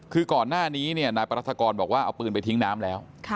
คือก่อนหน้านี้นายปรัฐกรบอกว่าเอาปืนไปทิ้งน้ำแล้ว